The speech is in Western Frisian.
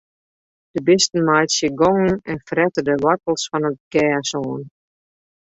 De bisten meitsje gongen en frette de woartels fan it gjers oan.